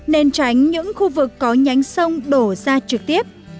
nên tránh những khu vực có nhánh sông đổ ra trực tiếp